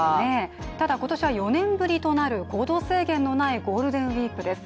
ただ今年は４年ぶりとなる行動制限のないゴールデンウイークです。